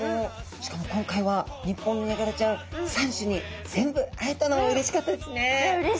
しかも今回は日本のヤガラちゃん３種に全部会えたのもうれしかったですね。